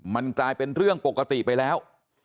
มันกลายเป็นเรื่องปกติไปแล้ว